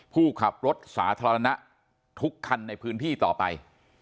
ผู้ขับรถสาธารณะทุกคันในพื้นที่ต่อไป